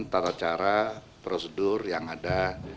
tata cara prosedur yang ada